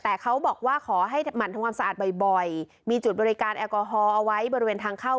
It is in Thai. แต่เขาบอกว่าขอให้หั่นทำความสะอาดบ่อยมีจุดบริการแอลกอฮอลเอาไว้บริเวณทางเข้า